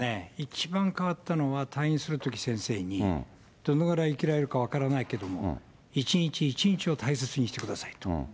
一番変わったのは、退院するとき、先生に、どのぐらい生きられるか分からないけれども、一日一日を大切にしてくださいと。